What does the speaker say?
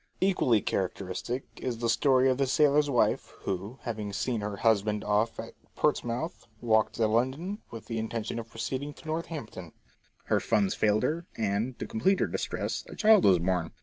Equally characteristic is the story of the sailor's wife who, having seen her husband off at Portsmouth, walked to London, with the intention of proceeding to Northampton. Her funds failed her, and, to complete her distress, a child was born.